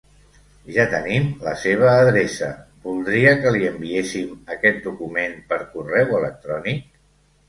Ja tenim la seva adreça, voldria que li enviéssim aquest document per correu electrònic?